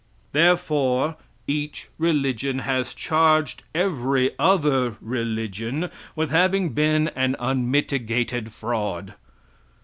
Therefore, each religion has charged every other religion with having been an unmitigated fraud.